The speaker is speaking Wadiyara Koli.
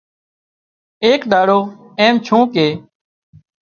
ايڪ ۮاڙو ايم ڇُون ڪي